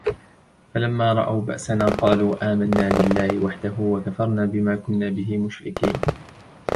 فلما رأوا بأسنا قالوا آمنا بالله وحده وكفرنا بما كنا به مشركين